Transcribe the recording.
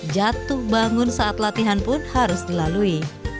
jatuh bangun saat latihan pun harus dilalui